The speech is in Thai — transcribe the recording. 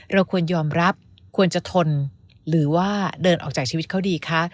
เราควรยอมรับควรจะทนหรือว่าเดินออกจากชีวิตเขาดีคะ